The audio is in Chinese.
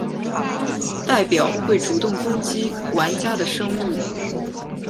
代表会主动攻击玩家的生物。